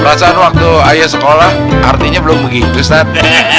perasaan waktu ayah sekolah artinya belum begitu ustadz